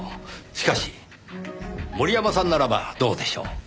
しかし森山さんならばどうでしょう？